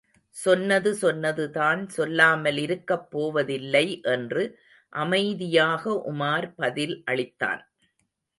சொன்னது சொன்னதுதான் சொல்லாமல் இருக்கப் போவதில்லை என்று அமைதியாக உமார் பதில் அளித்தான்.